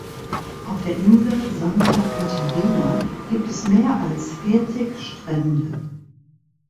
Auf der Insel Santa Catarina gibt es mehr als vierzig Strände.